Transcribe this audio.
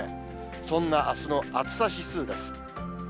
そんなあすの暑さ指数です。